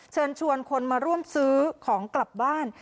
เชิญชวนคนมาร่วมซื้อของกลับบ้าน